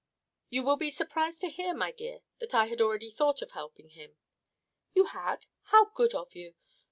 "You will be surprised to hear, my dear, that I had already thought of helping him." "You had? How good of you.